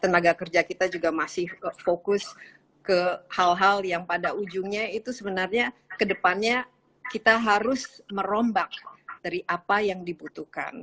tenaga kerja kita juga masih fokus ke hal hal yang pada ujungnya itu sebenarnya kedepannya kita harus merombak dari apa yang dibutuhkan